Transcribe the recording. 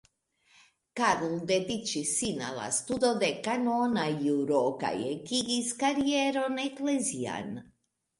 Karl dediĉis sin al la studo de kanona juro kaj ekigis karieron eklezian.